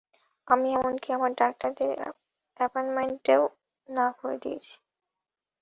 আমি এমনকি আমার ডাক্তারের অ্যাপয়েন্টমেন্টও না করে দিয়েছি।